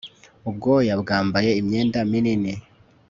ubwoya, bwambaye imyenda minini